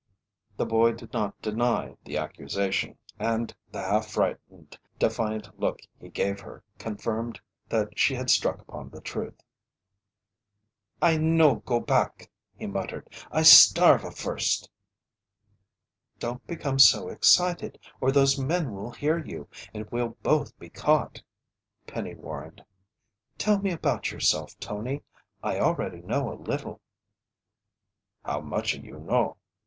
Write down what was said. The boy did not deny the accusation, and the half frightened, defiant look he gave her, confirmed that she had struck upon the truth. "I no go back!" he muttered. "I starva first!" "Don't become so excited, or those men will hear you and we'll both be caught," Penny warned. "Tell me about yourself, Tony. I already know a little." "How mucha you know?"